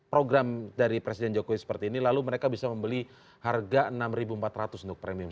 program dari presiden jokowi seperti ini lalu mereka bisa membeli harga rp enam empat ratus untuk premium